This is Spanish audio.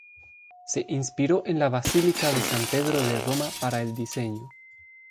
Se inspiró en la basílica de San Pedro de Roma para el diseño.